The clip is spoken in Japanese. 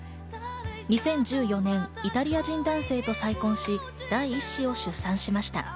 ２０１４年、イタリア人男性と再婚し、第１子を出産しました。